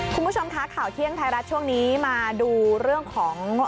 คุณผู้ชมคะข่าวเที่ยงไทยรัฐช่วงนี้มาดูเรื่องของ